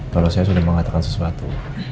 kalau saya sudah mengatakan sesuatu